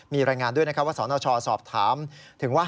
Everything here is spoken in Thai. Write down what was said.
มีรายงานด้วยนะครับว่าสนชสอบถามถึงว่า